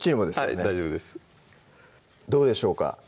はい大丈夫ですどうでしょうか？